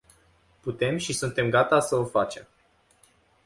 Putem și suntem gata să o facem.